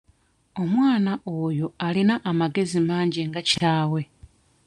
Omwana oyo alina amagezi mangi nga kitaawe.